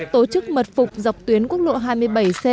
tổ chức mật phục dọc tuyến quốc lộ hai mươi bảy c